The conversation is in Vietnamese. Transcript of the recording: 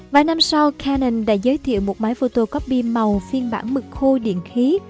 vài năm sau canon đã giới thiệu một máy photocopy màu phiên bản mực khô điện khí